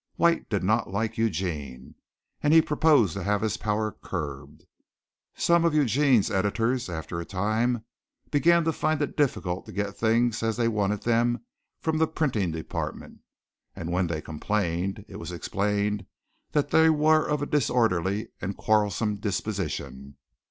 White did not like Eugene, and he proposed to have his power curbed. Some of Eugene's editors, after a time, began to find it difficult to get things as they wanted them from the printing department, and, when they complained, it was explained that they were of a disorderly and quarrelsome disposition.